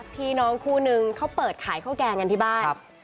พี่น้องคู่นึงเขาเปิดขายข้าวแกงกันที่บ้าน